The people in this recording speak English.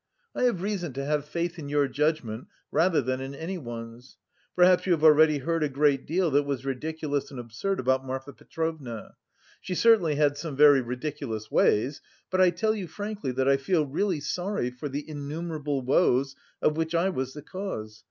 I have reason to have faith in your judgment rather than in anyone's. Perhaps you have already heard a great deal that was ridiculous and absurd about Marfa Petrovna. She certainly had some very ridiculous ways, but I tell you frankly that I feel really sorry for the innumerable woes of which I was the cause.